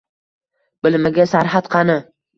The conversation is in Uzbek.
Bilimiga sarhad qani?